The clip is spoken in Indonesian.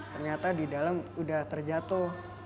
ternyata di dalam udah terjatuh